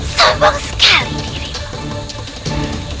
sombong sekali dirimu